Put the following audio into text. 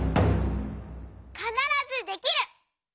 「かならずできる！」。